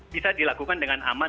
bisa dilakukan dengan aman